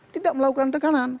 tidak melakukan tekanan